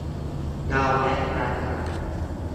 เราแนะนำอ่ะ